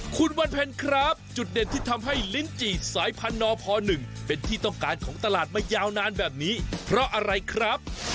คุณวันเพ็ญครับจุดเด่นที่ทำให้ลิ้นจี่สายพันธพ๑เป็นที่ต้องการของตลาดมายาวนานแบบนี้เพราะอะไรครับ